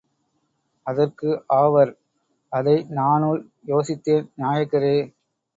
அதற்கு ஆவர். அதை நானுல் யோசித்தேன் நாயக்கரே.